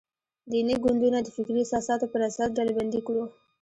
دیني ګوندونه د فکري اساساتو پر اساس ډلبندي کړو.